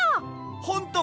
ほんとか！？